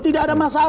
tidak ada masalah